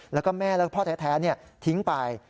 แล้วก็แม่และพ่อแท้ทิ้งไป